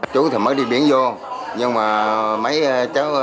chú thì mới đi biển vô nhưng mà mấy cháu